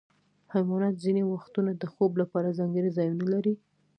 حیوانات ځینې وختونه د خوب لپاره ځانګړي ځایونه لري.